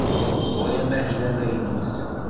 Ɣur-i amahil amaynut.